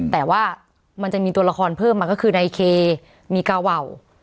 แต่ว่ามันจะมีตัวละครเพิ่มมาก็คือนายเคมีกาวาว